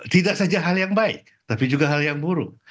tidak saja hal yang baik tapi juga hal yang buruk